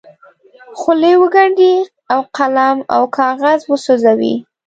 خولې وګنډي او قلم او کاغذ وسوځوي.